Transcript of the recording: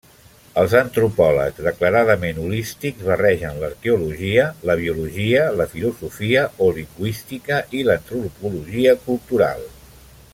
Els antropòlegs declaradament holístics barregen l'arqueologia, la biologia, la filosofia o lingüística i l'antropologia cultural.